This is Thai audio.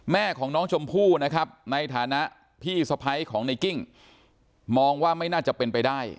แม่ของน้องชมพู่นะครับในฐานะพี่สะพ้ายของในกิ้งมองว่าไม่น่าจะเป็นไปได้